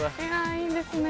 いいですね